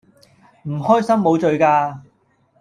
唔開心無罪㗎